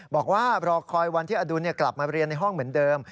บอกว่ารอคอยวันที่อดุลกลับมาเรียนในห้องเหมือนเดิม